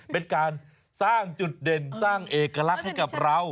เป็นการสร้างจุดเด่นสร้างเอกลักษณ์ให้กับเรา